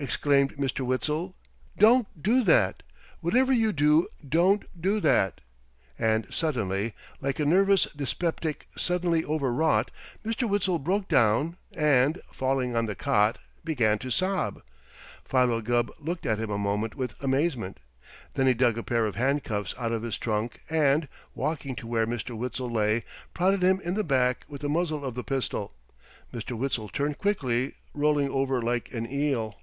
exclaimed Mr. Witzel. "Don't do that! Whatever you do, don't do that!" And suddenly, like a nervous dyspeptic suddenly overwrought, Mr. Witzel broke down and, falling on the cot, began to sob. Philo Gubb looked at him a moment with amazement. Then he dug a pair of handcuffs out of his trunk and, walking to where Mr. Witzel lay, prodded him in the back with the muzzle of the pistol. Mr. Witzel turned quickly, rolling over like an eel.